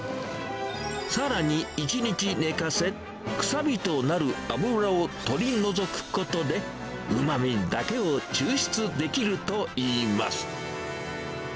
さらに、１日寝かせ、臭みとなる脂を取り除くことで、うまみだけを抽出できるといいます。